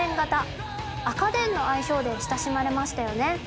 赤電の愛称で親しまれましたよね。